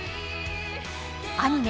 アニメ